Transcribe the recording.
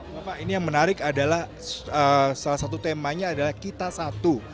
bapak ini yang menarik adalah salah satu temanya adalah kita satu